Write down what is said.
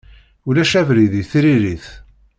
Ulac abrid i tririt.